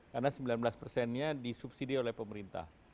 karena sembilan belas persennya disubsidi oleh pemerintah